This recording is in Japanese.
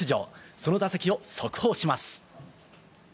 その打席を速報します。